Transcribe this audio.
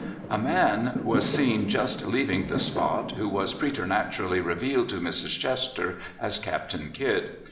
A man was seen just leaving the spot, who was preternaturally revealed to Mrs. Chester as Captain Kidd.